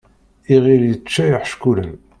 Iɣil yečča iḥeckulen.